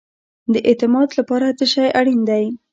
د اعتماد لپاره څه شی اړین دی؟